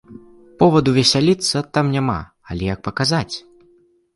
Поваду весяліцца там няма, але як паказаць?